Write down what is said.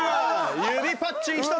指パッチンきた！